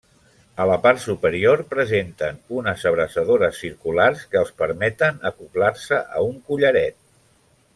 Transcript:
A la part superior presenten unes abraçadores circulars que els permeten acoblar-se a un collaret.